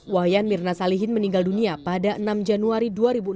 wayan mirna salihin meninggal dunia pada enam januari dua ribu enam belas